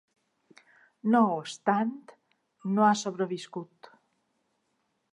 No obstant, no ha sobreviscut.